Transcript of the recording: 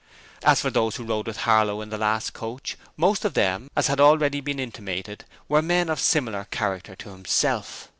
As for those who rode with Harlow in the last coach, most of them, as has been already intimated, were men of similar character to himself.